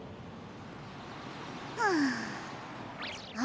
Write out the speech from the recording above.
はあ。